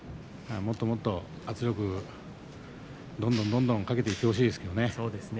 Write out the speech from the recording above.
もっともっと圧力をどんどんかけていってほしいですけれどね。